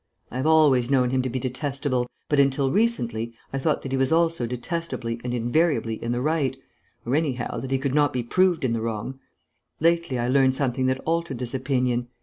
I have always known him to be detestable, but until recently I thought that he was also detestably and invariably in the right or, anyhow, that he could not be proved in the wrong. Lately I learnt something that altered this opinion.